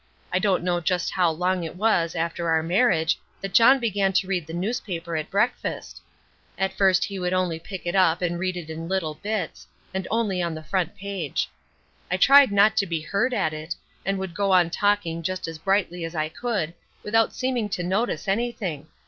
I don't know just how long it was after our marriage that John began to read the newspaper at breakfast. At first he would only pick it up and read it in little bits, and only on the front page. I tried not to be hurt at it, and would go on talking just as brightly as I could, without seeming to notice anything.